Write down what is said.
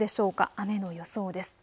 雨の予想です。